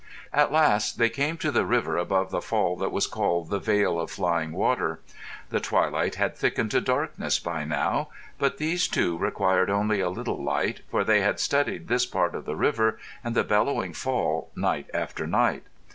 At last they came to the river above the fall that was called the Veil of Flying Water. The twilight had thickened to darkness by now; but these two required only a little light, for they had studied this part of the river and the bellowing fall night after night.